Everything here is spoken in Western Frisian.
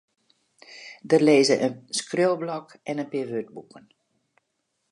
Der lizze in skriuwblok en in pear wurdboeken.